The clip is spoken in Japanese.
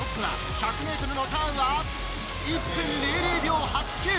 １００ｍのターンは１分００秒８９！